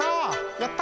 やった！